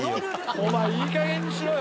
お前いい加減にしろよ